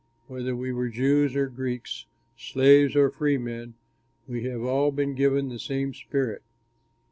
Whether we were Jews or Greeks, slaves or freemen, we have all been given the same Spirit.